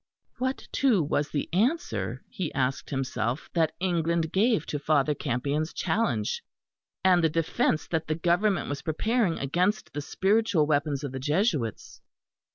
What, too, was the answer, he asked himself, that England gave to Father Campion's challenge, and the defence that the Government was preparing against the spiritual weapons of the Jesuits?